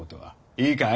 いいかい！